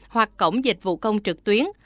hoặc cổng dịch vụ công trực tuyến